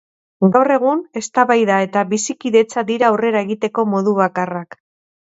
Gaur egun, eztabaida eta bizikidetza dira aurrera egiteko modu bakarrak.